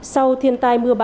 sau thiên tai mưa bão